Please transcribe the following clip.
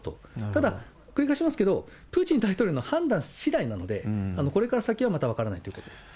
ただ、繰り返しますけれども、プーチン大統領の判断しだいなので、これから先はまだ分からないということです。